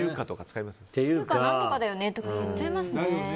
ていうか何とかだよねって言っちゃいますね。